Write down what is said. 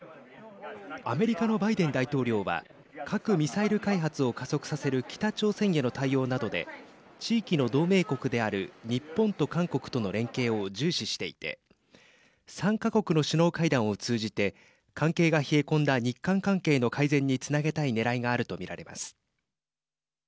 アメリカのバイデン大統領は核・ミサイル開発を加速させる北朝鮮への対応などで地域の同盟国である日本と韓国との連携を重視していて３か国の首脳会談を通じて関係が冷え込んだ日韓関係の改善につなげたいねらいがあると見られます。